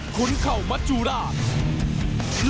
ขุนเข่ามัจจุราช